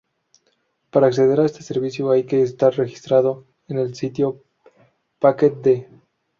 Para acceder a este servicio hay que estar registrado en el sitio Paket.de.